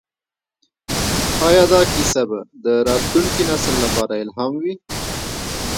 ایا دا کیسه به د راتلونکي نسل لپاره الهام وي؟